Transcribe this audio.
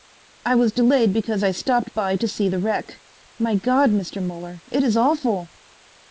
"I was delayed because I stopped by to see the wreck. My God, Mr. Muller, it is awful."